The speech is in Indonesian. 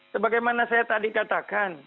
sebagaimana saya tadi katakan